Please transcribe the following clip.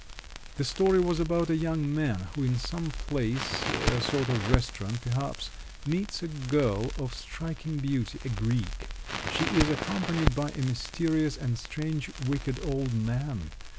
The story was about a young man who in some place, a sort of restaurant perhaps, meets a girl of striking beauty, a Greek; she is accompanied by a mysterious and strange, wicked old man.